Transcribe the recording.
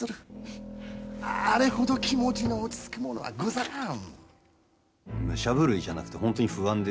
あれ程気持ちの落ち着くものはござらん。